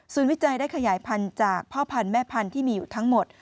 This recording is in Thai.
วิจัยได้ขยายพันธุ์จากพ่อพันธุ์แม่พันธุ์ที่มีอยู่ทั้งหมด